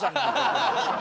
ハハハハ！